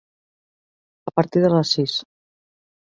A partir de les sis.